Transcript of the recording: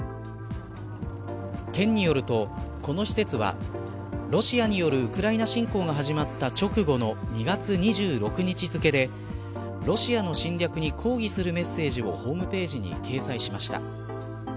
県によるとこの施設はロシアによるウクライナ侵攻が始まった直後の２月２６日付でロシアの侵略に抗議するメッセージをホームページに掲載しました。